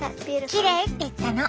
きれいって言ったの。